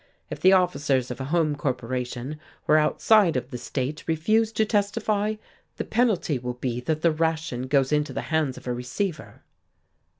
If the officers of a home corporation who are outside of the state refuse to testify, the penalty will be that the ration goes into the hands of a receiver."